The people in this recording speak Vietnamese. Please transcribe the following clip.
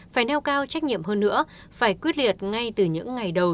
phải nêu cao trách nhiệm hơn nữa phải quyết liệt ngay từ những ngày đầu